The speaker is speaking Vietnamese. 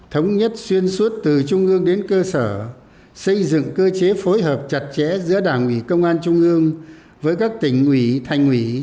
thống nhất xuyên suốt từ trung ương đến cơ sở xây dựng cơ chế phối hợp chặt chẽ giữa đảng ủy công an trung ương với các tỉnh ủy thành ủy